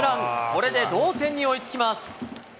これで同点に追いつきます。